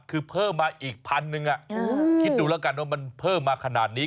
คือเพิ่มมาอีกพันหนึ่งคิดดูแล้วกันว่ามันเพิ่มมาขนาดนี้